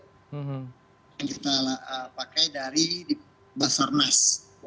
yang kita pakai dari basarnas